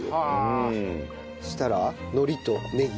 そしたら海苔とねぎ。